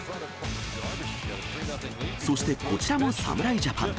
そしてこちらも侍ジャパン。